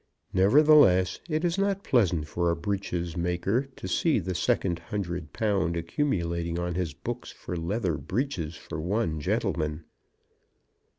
Nevertheless, it is not pleasant for a breeches maker to see the second hundred pound accumulating on his books for leather breeches for one gentleman.